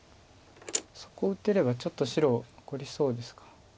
そこを打てればちょっと白残りそうですか。